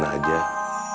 nggak usah dikasih tahu dulu